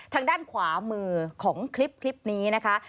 ทางด้านขวามือของคลิปนี้นะคะ